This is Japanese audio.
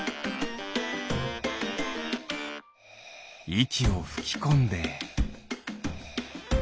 いきをふきこんで。